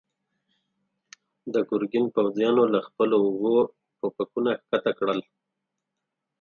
د ګرګين پوځيانو له خپلو اوږو ټوپکونه کښته کړل.